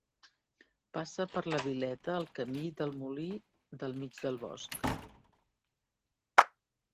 Passa per la Vileta el Camí del Molí del Mig del Bosc.